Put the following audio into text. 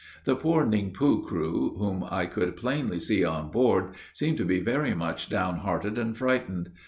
The poor Ning po crew, whom I could plainly see on board, seemed to be very much down hearted and frightened.